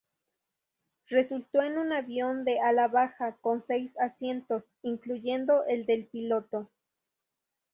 Resultó en un avión de ala baja con seis asientos, incluyendo el del piloto.